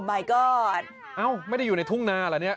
ใบก็เอ้าไม่ได้อยู่ในทุ่งนาเหรอเนี่ย